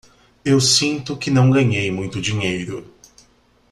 Eu sinto que não ganhei muito dinheiro.